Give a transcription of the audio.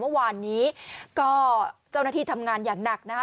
เมื่อวานนี้ก็เจ้าหน้าที่ทำงานอย่างหนักนะคะ